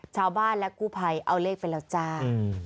ชาวบ้านและกู้ภัยเอาเลขไปแล้วจ้า